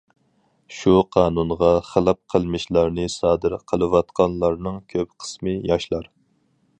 شۇ قانۇنغا خىلاپ قىلمىشلارنى سادىر قىلىۋاتقانلارنىڭ كۆپ قىسمى ياشلار.